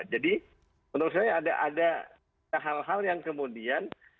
jadi menurut saya ada hal hal yang kemudian